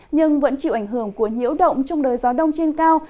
nhưng vẫn chịu ảnh hưởng của nhiễu động trong đời gió đông trên cao